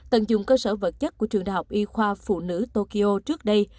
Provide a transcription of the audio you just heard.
tận dụng cơ sở vật chất của trường đại học y khoa phụ nữ tokyo trước đây